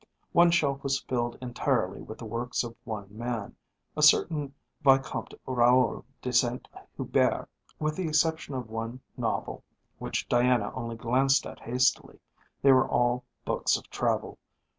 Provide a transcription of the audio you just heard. One shelf was filled entirely with the works of one man, a certain Vicomte Raoul de Saint Hubert. With the exception of one novel, which Diana only glanced at hastily; they were all books of travel.